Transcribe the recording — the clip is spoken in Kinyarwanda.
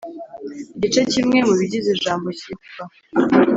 igice kimwe mu bigize ijambo kitwa